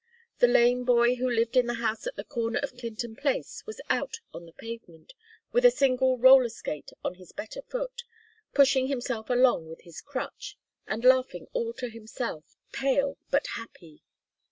The lame boy who lived in the house at the corner of Clinton Place was out on the pavement, with a single roller skate on his better foot, pushing himself along with his crutch, and laughing all to himself, pale but happy.